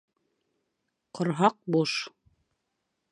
Ҡорһаҡ буш!